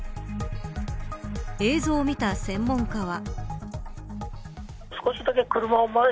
映像を見た専門家は。